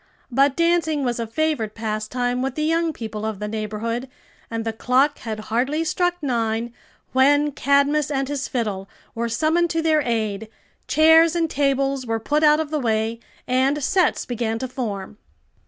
But dancing was a favorite pastime with the young people of the neighborhood, and the clock had hardly struck nine when Cadmus and his fiddle were summoned to their aid, chairs and tables were put out of the way, and sets began to form.